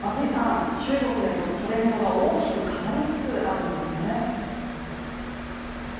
中国でのトレンドが大きく変わりつつあるんですね。